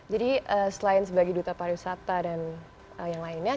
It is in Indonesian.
jadi selain sebagai duta pariwisata dan yang lainnya